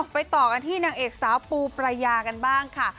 ต่อกันที่นางเอกสาวปูปรายากันบ้างค่ะ